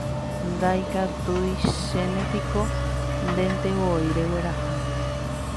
Ndaikatuichénepiko ndetevoi regueraha